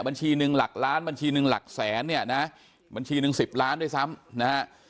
บัญชีหนึ่งหลักล้านบัญชีหนึ่งหลักแสนเนี่ยนะบัญชีหนึ่งสิบล้านด้วยซ้ำนะฮะ